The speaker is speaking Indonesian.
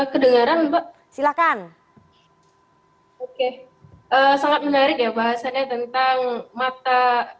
kedengaran mbak silakan oke sangat menarik bahasanya tentang mata